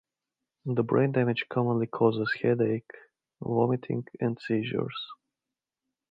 The brain damage commonly causes headache, vomiting, and seizures.